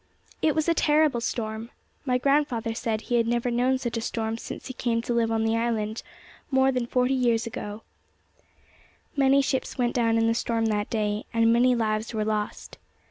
It was a terrible storm. My grandfather said he had never known such a storm since he came to live on the island, more than forty years before. Many ships went down in the storm that day, and many lives were lost.